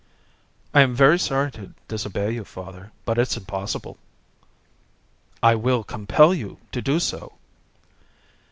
"I am very sorry to disobey you, father, but it is impossible." "I will compel you to do so."